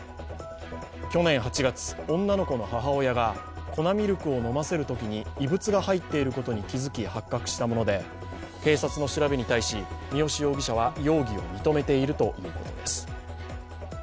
去年８月、女の子の母親が粉ミルクを飲ませるときに異物が入っていることに気づき発覚したもので警察の調べに対し、三好容疑者は容疑を認めているということです。